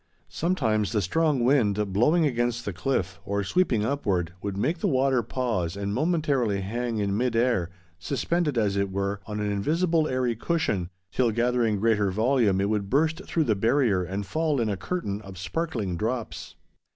Sometimes the strong wind, blowing against the cliff, or sweeping upward, would make the water pause and momentarily hang in mid air, suspended, as it were, on an invisible airy cushion, till gathering greater volume, it would burst through the barrier and fall in a curtain of sparkling drops.